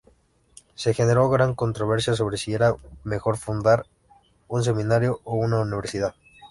Se generó gran controversia sobre si era mejor fundar un seminario o una universidad.